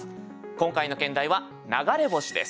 今回の兼題は「流れ星」です。